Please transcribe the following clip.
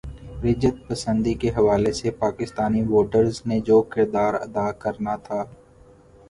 رجعت پسندی کے حوالے سے پاکستانی ووٹرز نے جو کردار ادا کرنا تھا۔